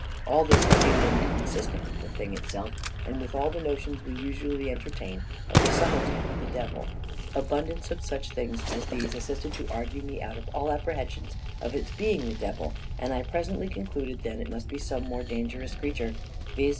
All this seemed inconsistent with the thing itself, and with all the notions we usually entertain of the subtlety of the devil. Abundance of such things as these assisted to argue me out of all apprehensions of its being the devil; and I presently concluded then that it must be some more dangerous creature; viz.